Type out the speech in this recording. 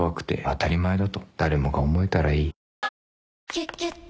「キュキュット」